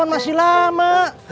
sampai jumpa lagi